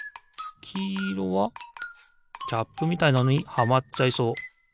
きいろはキャップみたいなのにはまっちゃいそう。